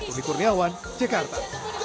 umi kurniawan jakarta